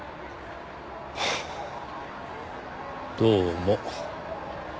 どうも。